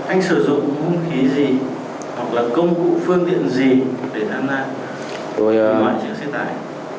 anh sử dụng vũ khí gì hoặc là công cụ phương tiện gì để tham gia ngoại trường xe tải